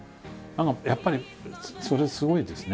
やっぱりそれすごいですね。